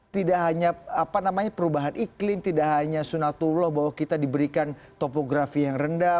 tidak hanya perubahan iklim tidak hanya sunatullah bahwa kita diberikan topografi yang rendah